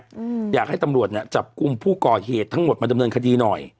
อืมอยากให้ตำรวจเนี้ยจับกลุ่มผู้ก่อเหตุทั้งหมดมาดำเนินคดีหน่อย